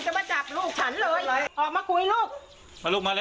ถ้าไม่ผิดก็เอามีขวางมาให้ไปสำรวจเข้านะ